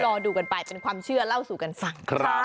รอดูกันไปเป็นความเชื่อเล่าสู่กันฟัง